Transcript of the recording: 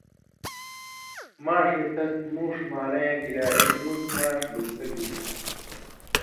ماݜے تس مُوݜ مارَیں یاں کِریا اېک مُت ماش لُکھہ گِلیۡ ۔